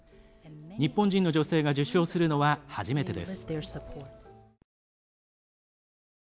日本人の女性が受賞するのは初めてです。